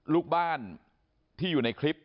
ลูกบ้านที่อยู่ในคลิป